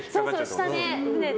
下で、船で。